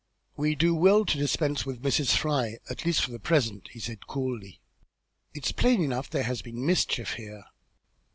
"We will do well to dispense with Mrs. Fry, at least for the present," he said, coolly. "It's plain enough there has been mischief here.